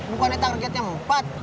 bukannya targetnya empat